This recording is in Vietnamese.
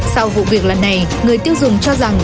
sau vụ việc lần này người tiêu dùng cho rằng